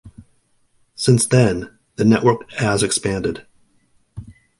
Since then the Network as expanded.